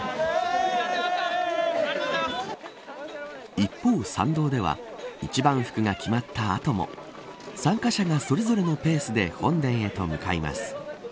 一方、参道では一番福が決まった後も参加者が、それぞれのペースで本殿へと向かいます。